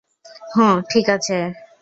হুম ঠিক আছে।